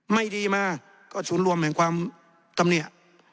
ไม่ดีมาก็ศูนย์รวมแห่งความตำเนี่ย